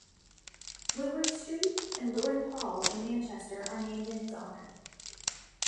Whitworth Street and Whitworth Hall in Manchester are named in his honour.